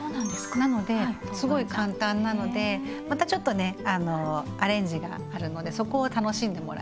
なのですごい簡単なのでまたちょっとねアレンジがあるのでそこを楽しんでもらえたらと思います。